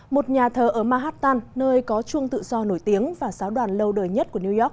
một nhà thờ ở manhattan nơi có chuông tự do nổi tiếng và giáo đoàn lâu đời nhất của new york